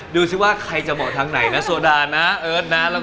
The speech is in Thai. ดูซิว่าใครมองไฟทางไหนนะ